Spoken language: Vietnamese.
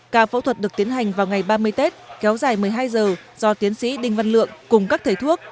ca phẫu thuật được tiến hành vào ngày ba mươi tết kéo dài một mươi hai giờ do tiến sĩ đinh văn lượng cùng các thầy thuốc